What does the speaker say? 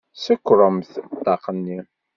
Sekkṛemt ṭṭaq-nni!